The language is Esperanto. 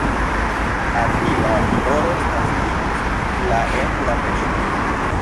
Attila Boros naskiĝis la en Budapeŝto.